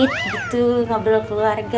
yang intimate gitu ngobrol keluarga